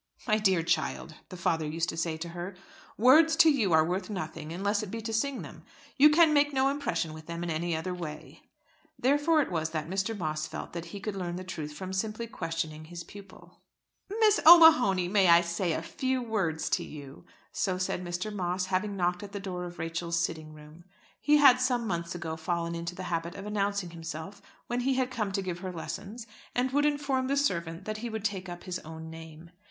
"My dear child," the father used to say to her, "words to you are worth nothing, unless it be to sing them. You can make no impression with them in any other way." Therefore it was that Mr. Moss felt that he could learn the truth from simply questioning his pupil. "Miss O'Mahony, may I say a few words to you?" So said Mr. Moss, having knocked at the door of Rachel's sitting room. He had some months ago fallen into the habit of announcing himself, when he had come to give her lessons, and would inform the servant that he would take up his own name.